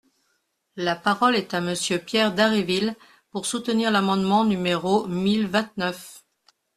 La parole est à Monsieur Pierre Dharréville, pour soutenir l’amendement numéro mille vingt-neuf.